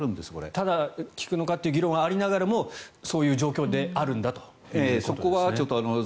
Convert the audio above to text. ただ、効くのかという議論はありながらもそういう状況だということですね。